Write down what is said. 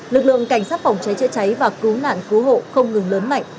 lực lượng cảnh sát phòng cháy chữa cháy và cứu nạn cứu hộ không ngừng lớn mạnh